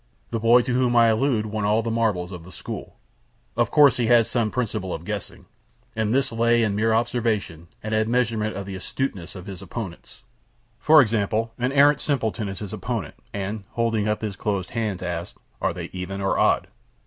The boy to whom I allude won all the marbles of the school. Of course, he had some principle of guessing; and this lay in mere observation and admeasurement of the astuteness of his opponents. For example, an arrant simpleton is his opponent, and, holding up his closed hand, asks, 'Are they even or odd?'